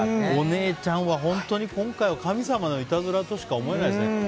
お姉ちゃんは今回は本当に神様のいたずらとしか思えないですね。